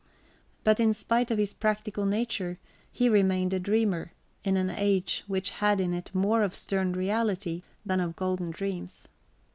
But, in spite of his practical nature, he remained a dreamer in an age which had in it more of stern reality than of golden dreams.